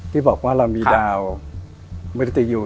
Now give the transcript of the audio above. ที่บอกว่าเรามีดาวมริตยู